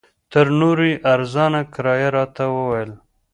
تر نورو یې ارزانه کرایه راته وویل.